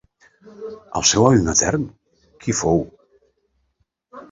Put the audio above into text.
El seu avi matern, qui fou?